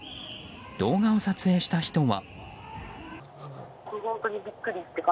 動画を撮影した人は。